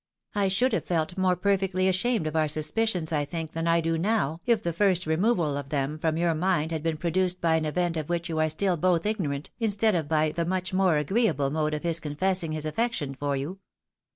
I should have felt more perfectly ashamed of our suspi cions, I think, than I do now, if the first removal of them from your mind had been produced by an event of which you are stiU both ignorant, instead of by the much more agreeable mode of his confessing his affection for you."